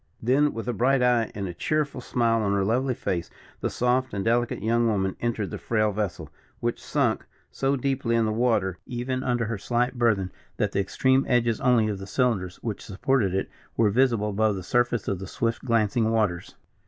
Then with a bright eye and a cheerful smile on her lovely face, the soft and delicate young woman entered the frail vessel, which sunk so deeply in the water, even under her slight burthen, that the extreme edges only of the cylinders which supported it were visible above the surface of the swift glancing waters.